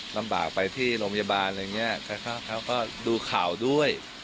ลำบากไปที่โรงพยาบาลอะไรอย่างนี้เขาก็ดูข่าวด้วย